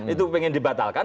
itu pengen dibatalkan